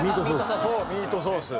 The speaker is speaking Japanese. そうミートソース。